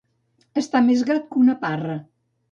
Estar més gat que una parra.